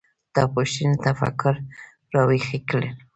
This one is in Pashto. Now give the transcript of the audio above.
دا پوښتنې تفکر راویښ کړل.